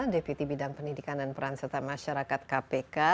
deputi bidang pendidikan dan peran serta masyarakat kpk